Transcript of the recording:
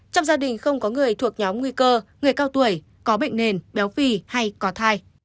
trong gia đình không có người thuộc nhóm nguy cơ người cao tuổi có bệnh nền béo phì hay có thai